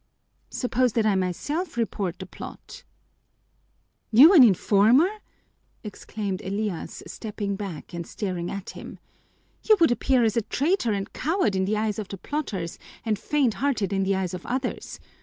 "Suppose that I myself report the plot?" "You an informer!" exclaimed Elias, stepping back and staring at him. "You would appear as a traitor and coward in the eyes of the plotters and faint hearted in the eyes of others.